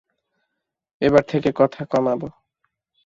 এবার থেকে কথা কমাব।